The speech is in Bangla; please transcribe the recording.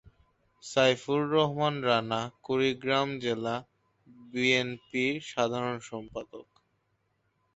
সাইফুর রহমান রানা কুড়িগ্রাম জেলা বিএনপির সাধারণ সম্পাদক।